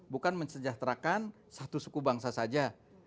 bukan mensejahterakan satu suku bangsa saja